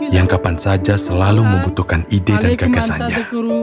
yang kapan saja selalu membutuhkan ide dan gagasannya